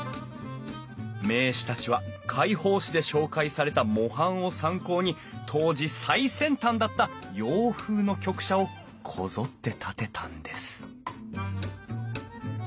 名士たちは会報誌で紹介された模範を参考に当時最先端だった洋風の局舎をこぞって建てたんです